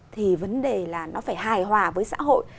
thì vấn đề là nó phải hài hòa với xã hội